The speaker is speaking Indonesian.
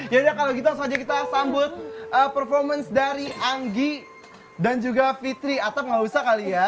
yaudah kalau gitu saja kita sambut performance dari anggi dan juga fitri atap nggak usah kali ya